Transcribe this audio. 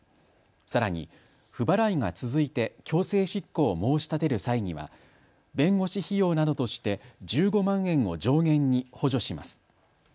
さらに不払いが続いて強制執行を申し立てる際には弁護士費用などとして１５万円を上限に補助します。